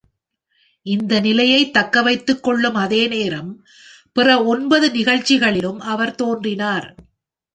இந்த நிலையைத் தக்கவைத்துக்கொள்ளும் அதே நேரம், பிற ஒன்பது நிகழ்ச்சிகளிலும் அவர் தோன்றினார்.